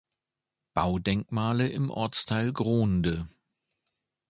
Baudenkmale im Ortsteil Grohnde.